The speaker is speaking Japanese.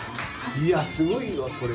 いやすごいわこれ。